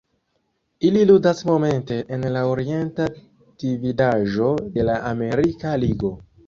Ili ludas momente en la Orienta Dividaĵo de la Amerika Ligo.